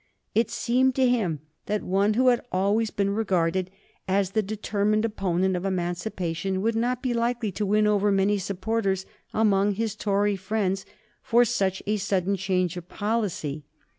It seemed to him that one who had always been regarded as the determined opponent of Emancipation would not be likely to win over many supporters among his Tory friends for such a sudden change of policy.